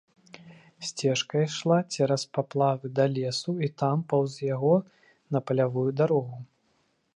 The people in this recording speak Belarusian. Сцежка ішла цераз паплавы да лесу і там паўз яго на палявую дарогу.